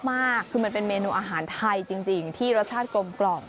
มากคือมันเป็นเมนูอาหารไทยจริงที่รสชาติกลม